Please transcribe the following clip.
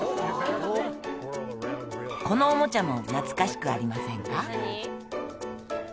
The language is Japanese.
このおもちゃも懐かしくありませんか？